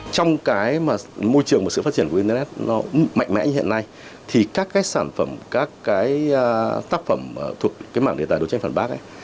trong cái mà môi trường và sự phát triển của internet nó mạnh mẽ như hiện nay thì các cái sản phẩm các cái tác phẩm thuộc cái mảng đề tài đấu tranh phản bác ấy